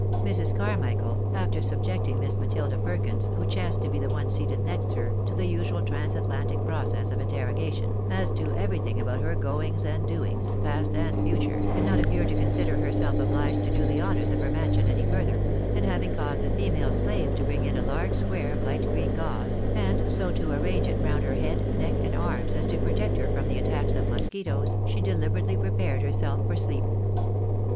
Mrs. Carmichael, after subjecting Miss Matilda Perkins, who chanced to be the one seated next her, to the usual transatlantic process of interrogation, as to everything about her goings and doings, past and future, did not appear to consider herself obliged to do the honours of her mansion any further ; and having caused a female slave to bring in a large square of light green gauze, and so to arrange it round her head, neck, and arms as to protect her from the attacks of mosquitoes, she deliberately prepared herself for sleep.